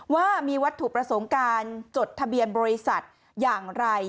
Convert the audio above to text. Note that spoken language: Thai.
ว่ามีวัตถุประสงค์การจดทะเบียนบริษัทอย่างไร